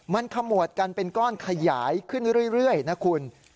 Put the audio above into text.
มันขมวดกันเป็นก้อนขยายขึ้นเรื่อยนะคุณ